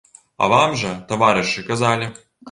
А вам жа, таварышы, казалі.